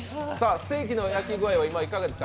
ステーキの焼き具合は今いかがですか？